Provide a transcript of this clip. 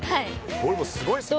これすごいですよ